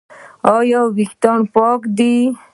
ایا ویښتان یې پاک دي؟